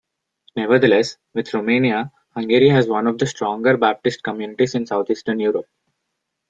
Nevertheless, with Romania, Hungary has one of the stronger Baptist communities in southeastern Europe.